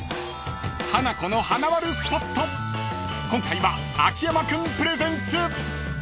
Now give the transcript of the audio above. ［今回は秋山君プレゼンツ］